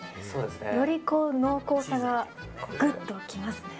より濃厚さが、ぐっときますね。